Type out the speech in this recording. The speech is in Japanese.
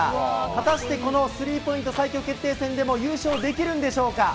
果たしてこのスリーポイント最強決定戦でも優勝できるんでしょうか。